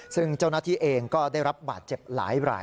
ซึ่งเจ้าหน้าที่เองก็ได้รับบาดเจ็บหลายราย